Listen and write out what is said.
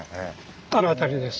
あの辺りです。